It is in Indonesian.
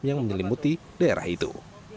yang menyelimuti daerah itu